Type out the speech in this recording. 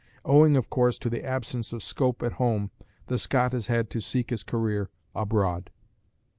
Owing, of course, to the absence of scope at home the Scot has had to seek his career abroad.